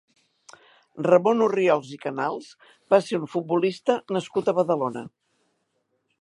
Ramon Orriols i Canals va ser un futbolista nascut a Badalona.